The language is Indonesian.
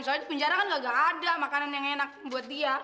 soalnya di penjara kan gak ada makanan yang enak buat dia